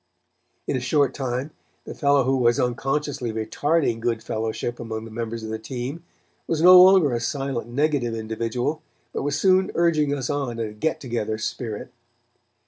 In a short time, the fellow who was unconsciously retarding good fellowship among the members of the team was no longer a silent negative individual, but was soon urging us on in a get together spirit.